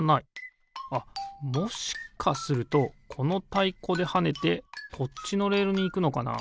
あっもしかするとこのたいこではねてこっちのレールにいくのかな？